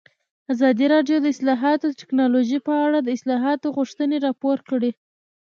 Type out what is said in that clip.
ازادي راډیو د اطلاعاتی تکنالوژي په اړه د اصلاحاتو غوښتنې راپور کړې.